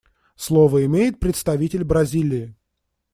Слово имеет представитель Бразилии.